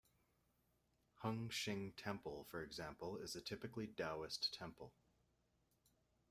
Hung Shing Temple, for example, is a typically Taoist temple.